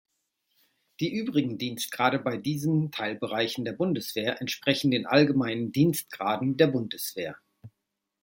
Die übrigen Dienstgrade bei diesen Teilbereichen der Bundeswehr entsprechen den allgemeinen Dienstgraden der Bundeswehr.